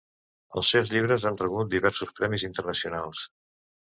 Els seus llibres han rebut diversos premis internacionals.